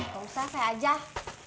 ga usah saya ajah